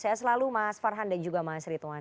saya selalu mas farhan dan juga mas ritwan